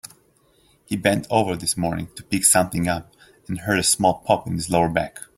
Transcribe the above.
He bent over this morning to pick something up and heard a small pop in his lower back.